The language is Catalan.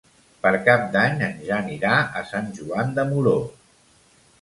Per Cap d'Any en Jan irà a Sant Joan de Moró.